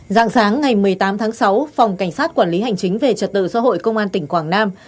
dạng sáng ngày một mươi tám tháng sáu phòng cảnh sát quản lý hành chính về trật tự xã hội công an tỉnh quảng nam